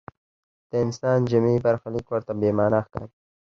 د انسان جمعي برخلیک ورته بې معنا ښکاري.